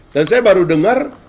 dan saya baru dengar